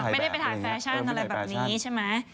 ไม่ได้ไปถ่ายแฟชั่นอะไรแบบนี้ใช่ไหม